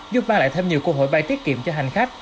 giúp mang lại thêm nhiều cơ hội bay tiết kiệm cho hành khách